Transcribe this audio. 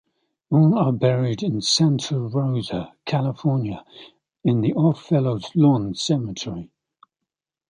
All are buried in Santa Rosa, California, in the Odd Fellows Lawn Cemetery.